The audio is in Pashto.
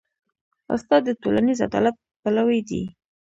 استاد د ټولنیز عدالت پلوی دی.